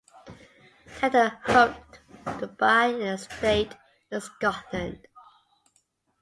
Seton hoped to buy an estate in Scotland.